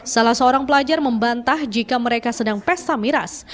salah seorang pelajar membantah jika mereka sedang pesta miras